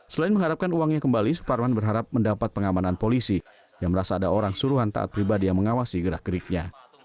selain mengharapkan uangnya kembali suparman berharap mendapat pengamanan polisi yang merasa ada orang suruhan taat pribadi yang mengawasi gerak geriknya